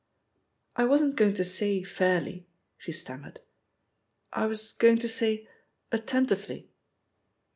"I wasn't going to say 'fairly,'" she stam mered, "I was going to say 'attentively.'